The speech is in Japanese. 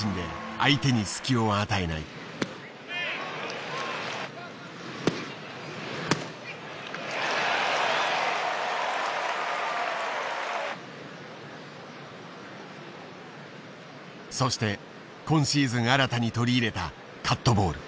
そして今シーズン新たに取り入れたカットボール。